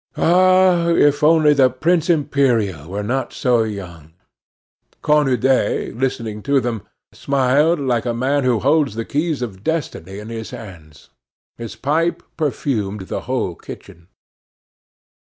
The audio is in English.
Ah! if only the Prince Imperial were not so young! Cornudet, listening to them, smiled like a man who holds the keys of destiny in his hands. His pipe perfumed the whole kitchen.